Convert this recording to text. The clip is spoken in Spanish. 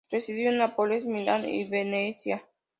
Residió en Nápoles, Milán y Venecia.